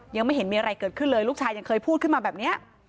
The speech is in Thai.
ยังไม่เห็นมีอะไรเกิดขึ้นเลยลูกชายยังเคยพูดขึ้นมาแบบนี้